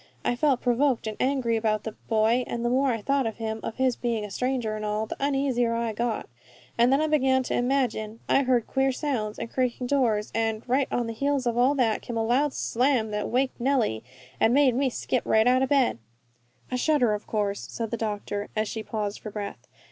I felt provoked and angry about that boy, and the more I thought of him, of his being a stranger and all, the uneasier I got. Then I began to imagine I heard queer sounds, and creaking doors, and, right on the heels of all that, came a loud slam that waked Nellie, and made me skip right out of bed." "A shutter, of course," said the doctor, as she paused for breath.